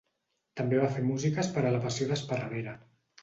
També va fer músiques per a La Passió d'Esparreguera.